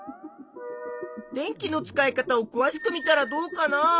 電気の使い方をくわしくみたらどうかな。